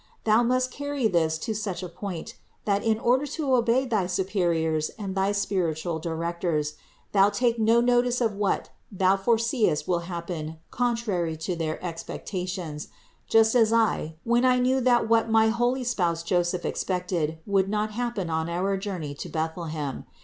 Thou must carry this to such a point that, in order to obey thy superiors and thy spiritual directors, thou take no notice of what thou foreseest will happen contrary to their expectations; just as I, when I knew that what my holy spouse Joseph expected would not happen on our journey to Bethlehem.